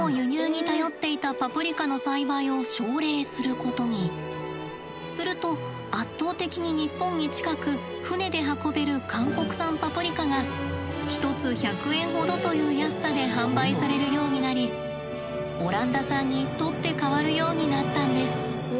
そんな中すると圧倒的に日本に近く船で運べる韓国産パプリカが１つ１００円ほどという安さで販売されるようになりオランダ産に取って代わるようになったんです。